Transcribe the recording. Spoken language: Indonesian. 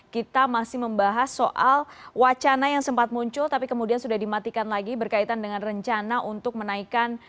kita masih membahas soal wacana yang sempat muncul tapi kemudian sudah dimatikan lagi berkaitan dengan rencana untuk menaikkan